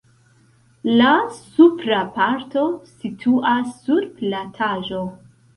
La supra parto situas sur plataĵo.